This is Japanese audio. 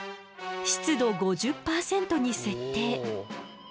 湿度５０％に設定。